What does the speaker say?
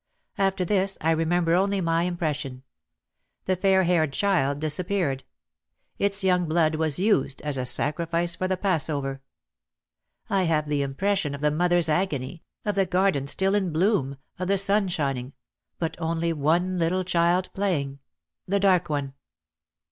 After this I remember only my impression. The fair haired child disappeared. Its young blood was used as a sacrifice for the Passover. I have the impression of the mother's agony — of the garden still in bloom — of the sun shining — but only one little child playing, the dark one.